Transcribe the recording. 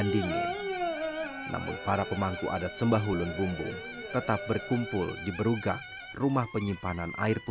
di dalam berugak